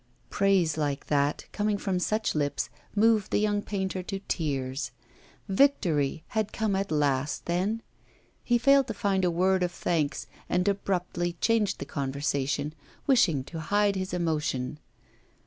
Praise like that, coming from such lips, moved the young painter to tears. Victory had come at last, then? He failed to find a word of thanks, and abruptly changed the conversation, wishing to hide his emotion.